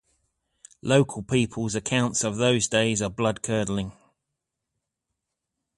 Local people's accounts of those days are bloodcurdling.